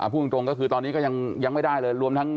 พูดตรงก็คือตอนนี้คือยังไม่ได้เลย